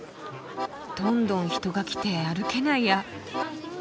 どんどん人が来て歩けないや。